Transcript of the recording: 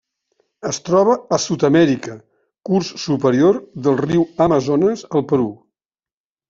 Es troba a Sud-amèrica: curs superior del riu Amazones al Perú.